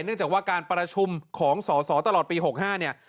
เนื่องจากว่าการประชุมของสอสอตลอดปี๖๕เนี่ย